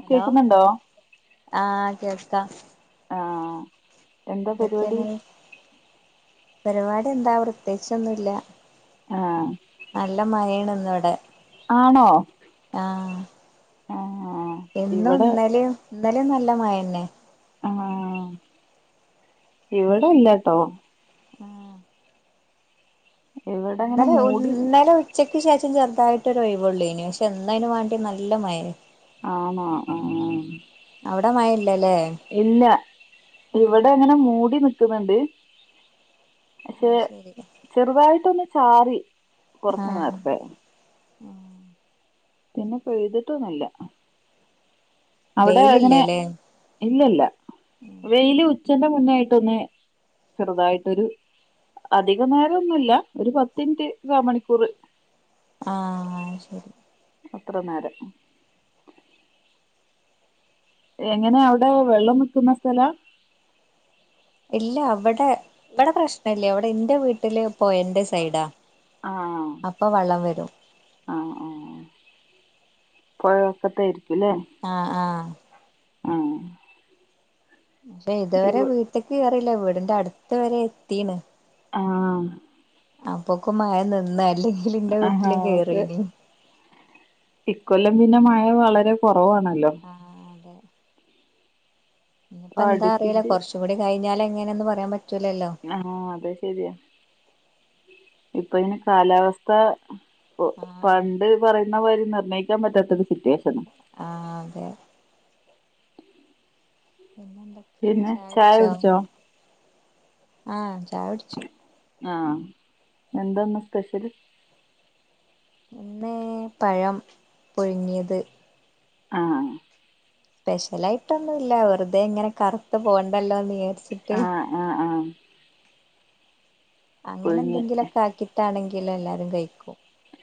Hello ആഹ് കേക്കാം ആഹ എന്താ പരിപാടി പരിപാടി എന്താ പ്രത്യേകിച്ചൊന്നുംല്ല ആഹ് നല്ല മഴണ് ഇന്ന് ഇവിടെ ആണോ ആഹ ആഹ് എന്നും ഇവിടെ ഇന്നലെയും ഇന്നലെ നല്ല മഴയെണെ ആഹ ഇവിടെല്ലാട്ടോ ആഹ് ഇവിടെ അങ്ങനെ ഇന്നലെ മൂടി ഇന്നലെ ഉച്ചക്ക് ശേഷം ചെറുതായിട്ട് മറ്റൊ ഒഴിവവുള്ളൂ ഇനി പക്ഷെ എന്തായന് വാണ്ടി നല്ല മയ ആണോ ആ അവിടെ മഴയില്ലല്ലേ ഇല്ല ഇവിടെ അങ്ങനെ മൂടി നിൽ ക്കുന്നുണ്ട് പക്ഷെ അത് ശരി ചെറുതായിട്ടൊന്ന് ചാറി കൊറച്ചു നേരത്തെ ആഹ പിന്നെ പെയ്തിട്ടൊന്നില്ല വെയിലില്ലല്ലേ ഇല്ലല്ല വെയില് ഉച്ചറെ മുന്നോയിട്ടൊന്ന് ചെറുതായിട്ടൊരു അധികം നേരം ഒന്നുമല്ല ഒരു പത്ത് മിനിറ്റ് കാമണിക്കൂർ ആഹ ശരി അത്ര നേരം എങ്ങനെയ അവിടെ വെള്ളം നിക്കുന്ന സ്ഥല ഇല്ല അവിടെ ഇവിടെ പ്രശ്ന ഇല്ലേ അവിടെ എന്റെ വീട്ടില് പുഴയുടെ സൈഡാ ആഹ അപ്പൊ വെള്ളം വരും ആഹ ആ പുഴവകത് ല്ലേ ആഹ് ആഹ് ആഹ പക്ഷെ ഇതുവരെ ഇവ് വീട്ടേക്ക് കേയറില്ല വീടിന്റെറെ അടുത്ത വരെ എത്തിണ് ആഹ അപ്പൊക്കെ മഴ നിന്നല്ലേ ആഹ അതെ ഇക്കൊല്ലം പിന്നെ മഴ വളരെ കുറച്ച ആഹ അതെ ഇനിയിപ്പ ഇപ്പൊ എന്താ അറിയില്ലേ അടുപ്പിച്ച് കുറച്ച കൂടി കഴിഞ്ഞാല എങ്ങനെയന്ന് പറയാൻ പറ്റു ആഹ അതെ ശരിയാ ഇപ്പൊ ഇങ്ങനെ കാലാവസ്ഥ ആഹ് പണ്ട് പറയുന്ന വാര്യം നിർണയിക്കാൻ പറ്റാത്തരു സിറ്റുവേഷനും ആ തെ പിന്നെ എന്തൊക്കെയാണ് പിന്നെ ചായ ചായുടിച്ചോ കുടിച്ചോ? ആഹ ചായുടിച്ചു ആഹ എന്താന്ന് സ്പെഷ്യല് ഇന്ന് പഴം പുഴുങ്ങിയത് ആഹ സ്പെഷ്യലായിട്ടൊന്നുല്ല വെറുതെ ഇങ്ങനെ കറുതു പോകണ്ടല്ലോന്ന് ആഹ ആഹ ആഹ അങ്ങനെ എന്തെങ്കിലൊക്കെ ആക്കിട്ടാണെങ്കിൽ എല്ലാരും കഴിക്കും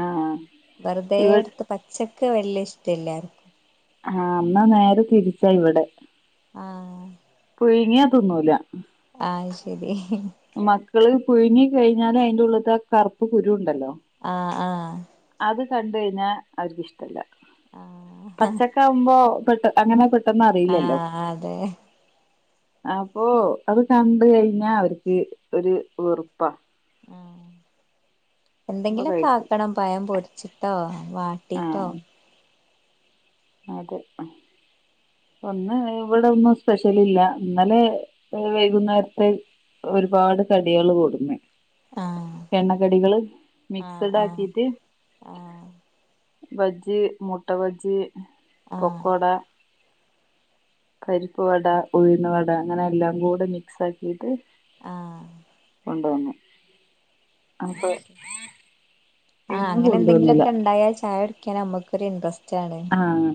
ആഹ് ഇവ വെറുതെടുത്ത് പച്ചക്ക വല്ല ഇഷ്ടല്ലാ ർക്കും ആഹ ന്നാ നേരെ തിരിച്ചാ ഇവിടെ ആഹ പുയ്ങ്ങിയാതിന്നൂല ആഹ് ശരി മക്കള് പുഴുങ്ങി കഴിഞ്ഞാലും അയിന്റെ ഉള്ളത് ആ കറുപ്പ് കുരു ഉണ്ടല്ലോ ആഹ ആഹ അത് കണ്ട കഴിഞ്ഞാൽ അവർക്ക്ിഷ്ടല്ല പച്ചക്കാവവുമ്പോ പെ അങ്ങനെെ ആഹ അതെ അപ്പൊ അത് കണ്ട കഴിഞ്ഞാ അവർക്ക് ഒരു വെറുപ്പാ ആഹ് അപ്പൊ എന്തെങ്കിലൊക്കെ കഴിക്കും ആാക്കണം പയം പൊരിച്ചിട്ടോ വാട്ടിട്ടോ ആഹ് അതെ ഒന്ന് ഇവിടെ ഒന്നും സ്പെഷ്യൽ ഇല്ല ഇ ന്നലെ വൈകുന്നേരത്തെ ഒരുപാട് കടികള് കൊട്ന്നു ആഹ് എണ്ണക്കടികള് ആഹ് മിക്സഡ് ആഹ് ആക്കിട്ട് ആഹ് ബജ്ജി മുട്ട ബജ്ജി ആഹ് പൊക്കോട പരിപ്പ്ുവട ഉഴുന്ന വട അങ്ങനെ എല്ലാം കൂടെ മിക്സ് ആക്കിട്ട് ആഹ കൊണ്ടുവന്നു അപ്പോൾ ആഹ് അങ്ങനെ എന്തങ്കിലൊക്കെ ഉണ്ടായാ ചായ കുടിക്കാൻ നമുക്കൊരു ഇൻട്രസ് ആഹ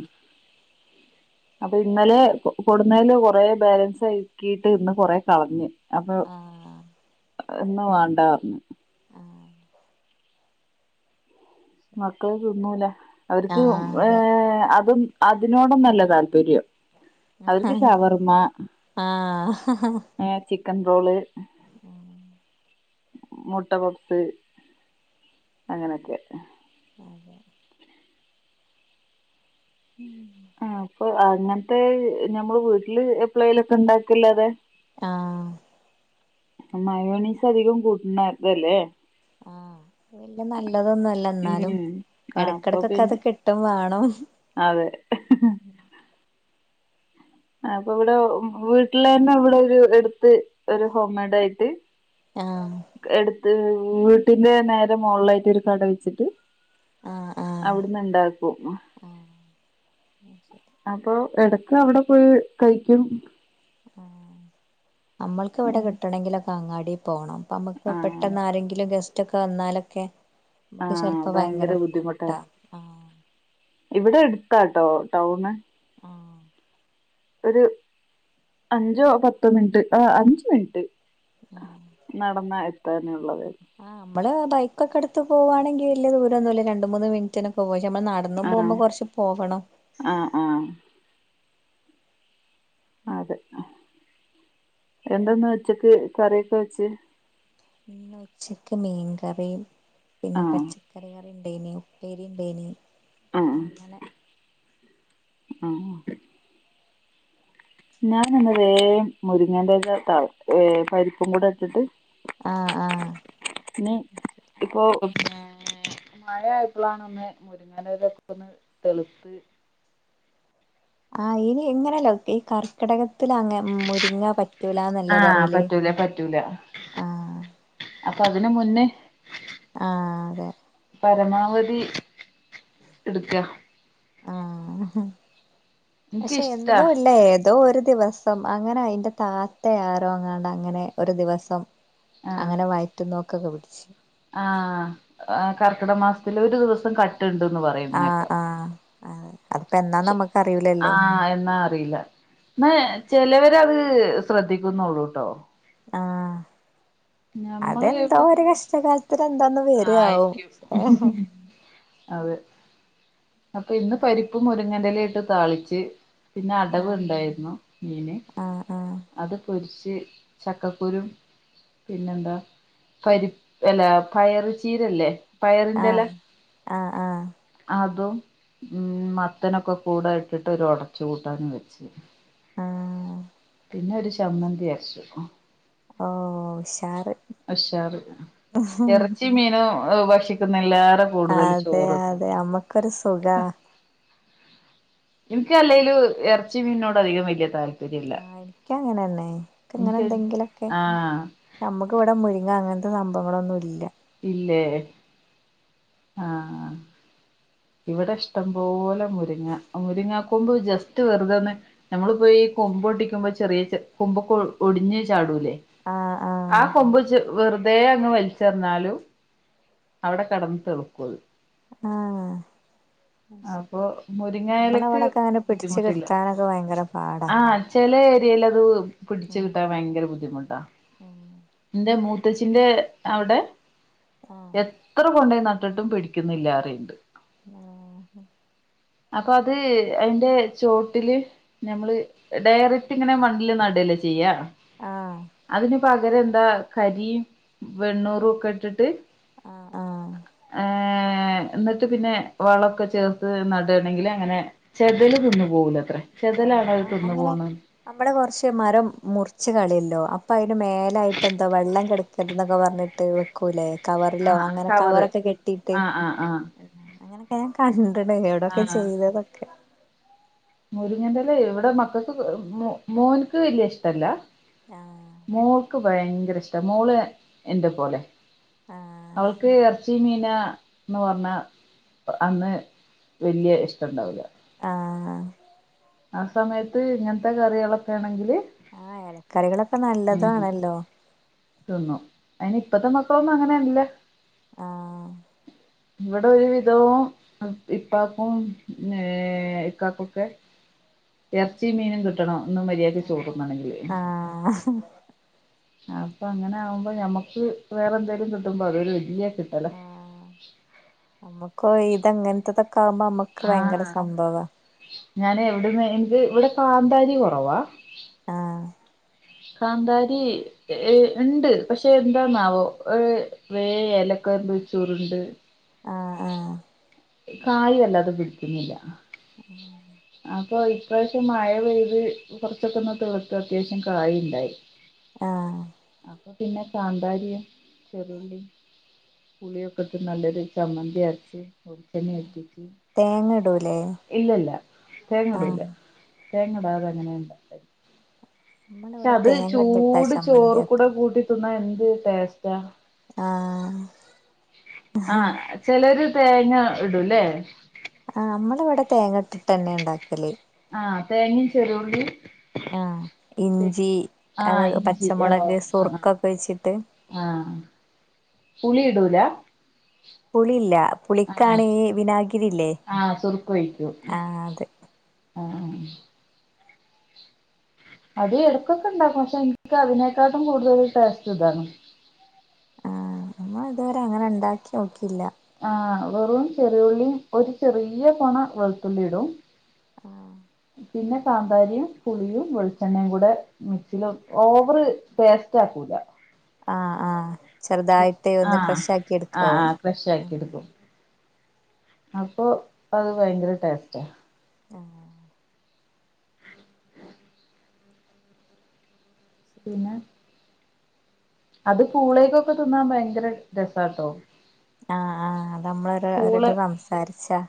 അപ്പൊ ഇന്നലെ കൊടുന്നതില് കൊറ ബാലൻസ് ആക്കീട്ട് ഇന്ന് കൊറ കളഞ്ഞഞ് അപ്പൊ ആഹ് ഇന്ന് വേണ്ട പറഞ് ആഹ് മക്കൾ തുന്നുല അവർക്ക് ആഹ് ഏ അതെ അതും അതിനോടന്നല്ല താല്പര്യം അവർക്ക് ഷവർമ്മ ആഹാ കൺട്രോള് ഉഹ മുട്ട പപ്സ് അങ്ങനെയൊക്കെ ഉം ആ അപ്പൊ അങ്ങനത്തെ ഞമ്മള് വീട്ടില് എപ്ലൈലൊക്കെ ഇണ്ടാക്കല്ലാതെ ആഹ മയോണീസ് അധികം കൂട്ടണ്തല്ലേ വല്ിയ നല്ലതൊന്നുംല്ല ന്നാലും ഉം ആ അപ്പൊ ഇടക്കിടക്കൊക്കെ അത് പിന്നെ കിട്ടും വേണം അതെ ഉ ആ അപ്പൊ ഇവിടെ വീട്ടില് തന്നെ ഇവിടെ ഒരു എടുത്ത് ഒരു ഹോം മെയഡ ആയിട്ട് ആഹ് എടുത്ത് വീട്ടിന്റെ നേര മുകളിലായിട്ട് ഒരു കട വെച്ചിട്ട് ആഹ് ആഹ് അവിടുന്ന് ഇണ്ടാക്കും ആഹ് അപ്പൊ എട അവിടെ പോയി കഴിക്കും ആഹ് നമ്മൾക്ക് ഇവിടെ ഉം. കിട്ടണങ്കിലൊക്കെ അങ്ങാടി പോകണം പ് നമക്ക് ആ പെട്ടെന്ന് ആരെങ്കിലുംഗെസ് റ്റൊക്കെ വന്നാലൊക്കെ നമുക്ക് ചിലപ്പോ ഭയങ്കര ബുദ്ധിമുട്ടാ ആ ഇവിടെ എടുത്താട്ടോ ടൗണ് ആഹ് ഒരു അഞ്ചോ പത്തോ മിനിറ്റ് ആ അഞ്ച് മിനിറ്റ് നടന്ന എത്താന ആ നമ്മള് ബൈക്കൊക്കെ ട്ത്ത് പോവാണെങ്കിൽ വല്യ ദൂരം ഒന്നുമല്ല ര ണ്ട്മൂന്ന് മിൻറ്റിനൊക്കെ പോയി നമ്മൾ നടന്ന് ആ പോകുമ്പോ കൊറച്ച് പോകണം ആ ആ അത് എന്താന്നു ച്ചക്ക് കറിയൊക്കെ വെച്ചേ ന്ന് ഉച്ചക്ക് മീൻകറിപിന്നെ ആഹ് പച്ചക്കറി കറി ണ്ടേനി ഉപ്പേരി ണ്ടേനി ആ അങ്ങനെ ആ ഞാന്‌ ന്ന് വേ മുരിങ്ങന്റെ എല ത ഏ പരിപ്പും കൂടെ ഇട്ടിട്ട് ആ ആ ന് ഇപ്പൊ മഴായപ്പളാണ് ഒന്ന് മുരിങ്ങന്റെ എലക്കെ ഒന്ന് തെളുത്ത് ആഹ് ഇനി എങ്ങനെല്ലോ ക്കെ ഈ കർക്കിടകം ത്തിലങ്ങെമുരിങ്ങാ പറ്റൂലന്നല്ലേ ആഹ് പറേല് പറ്റൂല പറ്റൂല ആ അപ്പൊ അതിന് മുന് ആ അതെ പരമാവധി ഇട്ക്കാ ആ പക്ഷെ എനിക്കിഷ്ടാ എന്നു ഇല്ല ഏതോ ഒര് ദിവസം അങ്ങനെ യിന്റെ താത്ത ആരോ അങ്ങാണ്ട് അങ്ങനെ ഒരു ദിവസം അങ്ങനെ വായിറ്റു നോക്കൊക്കെ പിടിച്ച് ആ കർക്കിട മാസത്തില് ഒരു ദിവസം ക ട്ട്ണ്ട്ന്ന് ആഹ് പറയുന്നേക്കാ ആഹ് അതെ അതിപ്പോ എന്നാന്ന് നമ്മക്ക് അറിയൂലല്ലോ ആഎന്നാ അറീല്ല ന്നാ ചിലവര്അത് ശ്രദ്ധിക്കുന്നുള്ളൂട്ടോ ആ അത് ഞമ്മള് ന്തൊ എവിടൊക്കെ ഒരു കഷ്ടകാലത്തിന് എന്താന്ന് വരാവും ആയിരിക്കും അതെ അപ്പൊ ഇന്ന് പരിപ്പും മുരിങ്ങന്റെ എലിംഇട്ട് താളിച്ച് പിന്നെ ആഹ് അടവ്ണ്ടായിരുന്നു മീന് ആഹ് അത് പൊരി ച്ച് ചക്കക്കുരും പിന്നെന്താ പരി അല്ലാ പയറ് ചീരല്ലേ പയറിന്റെ എല ആഹ് ആഹ് ആഹ് അതും ഉം മത്തനൊക്കെ കൂടെ ഇട്ടിട്ട് ഒര് ഒടച്ച് കൂട്ടാനും വെച്ച് ആഹ് പിന്നെ ഒരു ചമ്മന്തി അരച്ചു ഓ ഉഷാറ് അശ്ശാറ് ഉം. ഇറച്ചി മീനും ഭക്ഷിക്കുന്നേ ല്ലാ റെ കൂടുതൽ അതെ ചോറ്ന്നു അതെ അമ്മക്കൊരു സുഖാ ഇൻക്ക് അല്ലേലും ഇറച്ചി മീനോട് അധികം വല്യ താല്പര്യം ഇല്ല ഇക്ക് അങ്ങനെന്നെ ഇങ്ങനെ എനിക്ക് എന്തെങ്കിലു ക്കെ ആഹ് നമ്മുക്ക് ഇവിടെ മുരിങ്ങ അങ്ങൻത്തെ സംഭവങ്ങളൊന്നും ഇല്ല ഇല്ലേ ആ ഇവിടെ ഇഷ്ടം പോലെ മുരിങ്ങ മുരിങ്ങാ കൊമ്പ് ജസ്റ്റ് വെറുതൊന്ന് നമ്മള് പ്പോ യി കൊമ്പോട്ടിക്കുമ്പോ ചെറിയ ച കൊമ്പൊക്കെ ഒടിഞ്ഞ് ചാടൂ ല്ലേ ആ ആ കൊമ്പ് ചെ വെറുതെ അങ്ങ് വലിച്ചെർഞ്ഞാലും അവ്ടെ കെടന്ന് തെള്ക്കും അത് ആഹ് അപ്പൊ നമ്മളെ മുരിങ്ങയലക്ക് അവിടൊക്കെ അങ്ങനെ പിടിച്ച് ബുദ്ധിമുട്ടില്ല കിട്ടാനൊക്കെ ഭയങ്കര പാടാ ആ ചെലേ [unintelligible] പിടിച്ച് കിട്ടാൻ ആഹ് ഭയങ്കര ബുദ്ധിമുട്ടാ ന്റെ മൂ ത്തച്ചിന്റെ അവ്ടെ ആഹ് എത്ര കൊണ്ടോയിനട്ടിട്ടും പിടിക്കിന്നില്ലാ റിണ്ട്. ആ അപ്പൊ അത് അയ്ന്റെ ചോട്ടില് ഞമ്മള് ഡയറക്റ്റ് ങ്ങനെ മണ്ണില് നടെ ല്ലചെയ്യാ ആഹ് അതിന് പകരെന്താ കരി വെണ്ണൂറൊക്കെ ഇട്ടിട്ട്. ആഹ് ആഹ് ഏ ഏ എന്നിട്ട് പിന്നെ വളൊക്കെ ചേർത്ത് നടാണെങ്കി അങ്ങനെ ചെതൽ തിന്നു പോകൂലത്രേ ആ ചെതലാണോ അത് ആ തിന്നു അങ്ങനെ പോണ് നമ്മടെ കൊർച്ച് മരം മുർ റിച്ച് കളയൊല്ലോ അപ്പൊ അയ്ന് മേലായിട്ടെന്താ വെള്ളം കെട്ക്കര്ത് ന്നൊക്കെ പറ്ഞ്ഞിട്ട് വെക്കൂലേ. കവറിലോ ആഹ് ആഹ് അങ്ങനെ കവറ് കവറൊക്കെ കെട്ടീട്ട് ആഹ് ആഹ് ആഹ് അങ്ങനെ ഞാൻ കണ്ടട് എവിടൊക്കെ ആഹ് ചെയ്തതൊക്കെ ര്ങ്ങന്റെലെ ഇവിടെ മക്കക്ക് മോ മോൻക്ക് വ ല്ല്യ ഇഷ്ടല്ല ആഹ് മോൾക്ക് ഭയങ്കര ഇഷ്ട മോള് എന്റെ പോലെ ആഹ് അവക്ക് ഇറച്ചി മീന ന്ന് പറഞ്ഞാ അന്ന് വല്ല്യ ഇഷ്ടണ്ടാവൂല്ല ആ ആ സമയത്ത് ഇങ്ങൻത്തെ കറികളൊക്കെണെങ്കില് ആഹ് ഇലക്കറികളൊക്കെ നല്ലതാണല്ലോ അയ്ന് ഇപ്പത്തെ മക്കളൊന്നും അങ്ങനെല്ല ആ ഇവടെ ഒരു വിധവും ഇപ്പാക്കും ഏ ഇക്കാകൊക്കെ എർച്ചി മീനും കിട്ടണം ഒന്ന് മര്യാക്ക് ചോറുന്നണെങ്കില്. ആഹ് അപ്പൊ അങ്ങനെ ആവുമ്പോ ഞമ്മക്ക് വേറെ എന്തെലും കിട്ടുമ്പോ അതൊരു വല്ല്യ ആ നമ്മുക്ക് ഇ ഇതങ്ങൻത്തതൊ ആഹ ഞാൻ എവിട്ന്ന് എന്ത് ഇവടെ കാന്താരി കുറവാ ആഹ് കാന്താരി ഏ ഉണ്ട് പക്ഷെ, എന്താന്നാവോ. ഏ.. വേഎല റ [unintelligible] ചുരുണ്ട് ആഹ് ആഹ് കായ് വല്ലാതെ പിടിക്കുന്നില്ല. അപ്പൊ ഇപ്രാവശ്യം മഴ പെയ്ത് കുറച്ചൊക്കെന്ന് തിളിർത്ത് അത്യാവശ്യം കായിണ്ടായി. ആഹ് അപ്പൊ പിന്നെ കാന്താരിയും ചെറുള്ളിം. പുളിയൊക്ക ടുത്ത് നല്ലെര് ചമ്മന്തിയര്ച്ച് വെൾച്ചെണ്ണറ്റിച് തേങ്ങ ഇടൂലേ ഇല്ലല്ല തേങ്ങടൂല ആഹ് തേങ്ങടാതെ ങ്ങനെല്ല ആ പക്ഷെ നമ്മളിവിടെ അത് തേങ്ങ ഇട്ടിട്ടാ ചൂട്, ചമ്മന്തി ചോറ്, ആക്ക കൂടെ കൂട്ടി തിന്നാ എന്തുടേസ്റ്റാ. ആഹ്... ആഹ് ചെലര് തേങ്ങ ഇടുലെ ആ നമ്മളെ ഇവിടെ തേങ്ങ ഇട്ട്ട്ടന്നെ ണ്ടാക്കല് ആഹ തേങ്ങിം ചെറിയോള്ളിം ആഹ ഇഞ്ചി, അത് ആഹ് ഇഞ്ചി ഓ പച്ചമുളക് ആഹ് ആഹ് സുർുക്കൊക്കെ ഒഴിച്ചിട്ട് ആഹ് പുളി ഇടൂല. പുളില്ല പുളിക്കാണ്.. വിനാഗി ആഹ സുറുക്ക ഴിക്കും. അത് ആഹാ... അത് എടക്കൊക്കെ ഇണ്ടാക്കും. പക്ഷെ ഇൻക്ക് അതിനേക്കാട്ടും കൂടുതൽ ടേസ്റ്റ് ഇതാണ്. ആഹ.. അമ്മ ഇതവരെ അങ്ങനെ ഉണ്ടാക്കി നോക്കിയില്ല ആഹ വെറും ചെറിയുള്ളിയും ഒരു ചെറിയ പൊണ വെളുത്തുള്ളി ടും ആഹ പിന്നെ കാന്താരിയും പുളിയും വെളിച്ചെണ്ണയും കൂടെ മിക്സിൽ ഓവറ് ടേസ്റ്റ് ആക്കൂ ല ആഹ ആഹ ചെറുതായിട്ട് ഒന്ന് ആഹ് ക്രഷ് ആക്കി ആഹ് എടുക്കാവും ആഹ് ക്രഷ് ആക്കി എടുക്കും അപ്പൊ അത് ഭയങ്കര ടേസ്റ്റാ ആഹ് പിന്നെ അത് പൂളേയ്ക്കൊക്കെ തിന്നാൻ ഭയങ്കര രസാട്ടോ ആഹ് ആഹ് അത് പൂള് നമ്മളോരട്ടം സംസാരിച്ചാ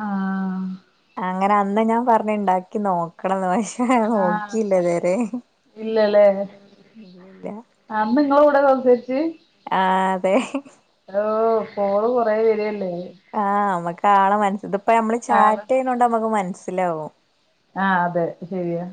ആഹ് അങ്ങനെ അന്ന് ഞാൻ പറഞ്ഞു ഉണ്ടാക്കി നോക്കണംന്ന് ആഹ് നോക്കിയില്ലതരേ ഇല്ലല്ലേ ഇല്ലല്ല എപ്പളാ സംസാരിച്ചി ആഹ് തെ ഹ ഫോണ് കൊറേ വരാണ് ആഹ് നമ്മക്കാളെ മന ഇതിപ്പോ നമ്മള് ആഹ് ചാറ്റ് ചയ്യണോണ്ട് നമ്മക്ക് മനസ്സിലാാവും ആഹ് അതെ ശരിയ